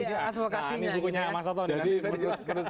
nah ini bukunya mas otton jadi menurut